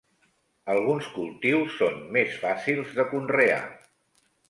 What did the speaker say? Alguns cultius són més fàcils de conrear.